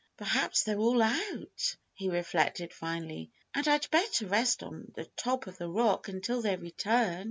"Perhaps they're all out," he reflected finally, "and I'd better rest on the top of the rock until they return."